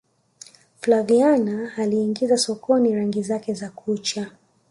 flaviana aliingiza sokoni rangi zake za kucha